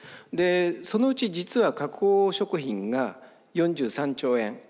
でそのうち実は加工食品が４３兆円。